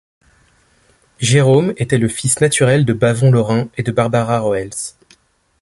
Jérôme était le fils naturel de Bavon Laurin et de Barbara Roels.